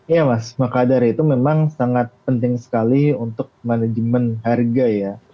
ya mas makadar itu memang sangat penting sekali untuk manajemen harga ya